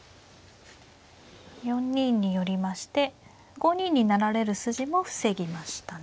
４二に寄りまして５二に成られる筋も防ぎましたね。